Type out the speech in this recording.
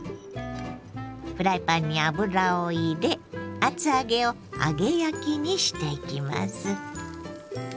フライパンに油を入れ厚揚げを揚げ焼きにしていきます。